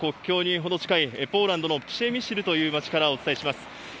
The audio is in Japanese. ウクライナとの国境に程近いポーランドのプシェミシルという街からお伝えします。